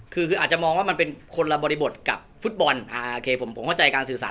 คือคืออาจจะมองว่ามันเป็นคนละบริบทกับฟุตบอลอ่าโอเคผมเข้าใจการสื่อสาร